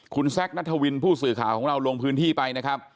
คุณแซคนัทวินผู้สื่อข่าวของเราลงพื้นที่ไปนะครับ